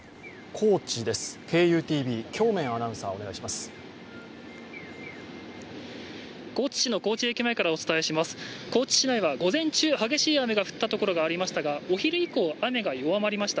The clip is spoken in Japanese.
高知市内は午前中、激しい雨が降った所がありましたがお昼以降、雨が弱りました。